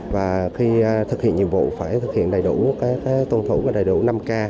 và khi thực hiện nhiệm vụ phải thực hiện đầy đủ tôn thủ và đầy đủ năm k